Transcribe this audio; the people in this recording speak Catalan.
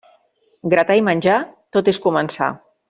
Gratar i menjar, tot és començar.